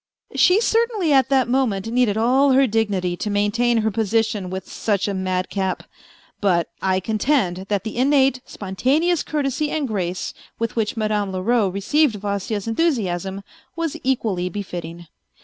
She certainly at that moment needed all her dignity to main tain her position with such a madcap. But I contend that the Innate, spontaneous courtesy and grace with which Madame Leroux received Vasya's enthusiasm, was equally befitting.